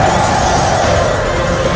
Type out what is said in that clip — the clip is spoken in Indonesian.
amin ya rukh alamin